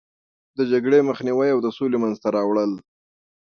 د جګړې مخنیوی او د سولې منځته راوړل.